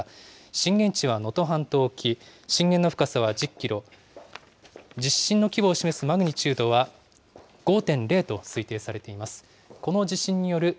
震源地は能登半島沖、震源の深さは１０キロ、地震の規模を示すマグニチュードは５．０と推定されています。